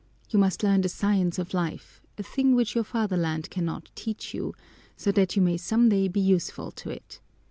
You must learn the science of life, a thing which your fatherland cannot teach you, so that you may some day be useful to it.